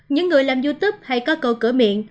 những người làm youtube